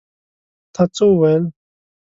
تا څه وویل?